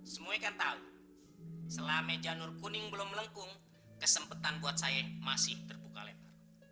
semua kan tau selama janur kuning belum melengkung kesempatan buat saya masih terbuka lebar